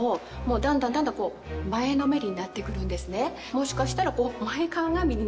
もしかしたら。